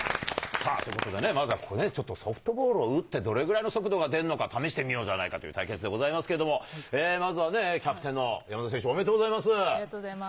さあ、ということで、まずはここでソフトボールを打ってどれぐらいの速度が出るのか試してみようじゃないのかという対決でございますけれども、まずはね、キャプテンの山田選手、おめでとうございます。ありがとうございます。